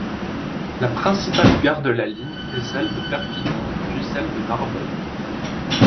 La principale gare de la ligne est celle de Perpignan, puis celle de Narbonne.